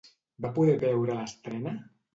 Va poder veure l'estrena?